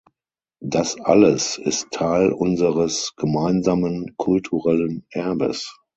Das alles ist Teil unseres gemeinsamen kulturellen Erbes.